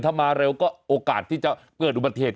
ถ้ามาเร็วก็โอกาสที่จะเกิดอุบัติเหตุ